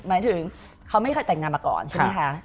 หมายถึงเขาไม่เคยแต่งงานมาก่อนใช่ไหมคะ